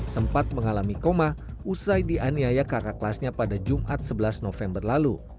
sempat mengalami koma usai dianiaya kakak kelasnya pada jumat sebelas november lalu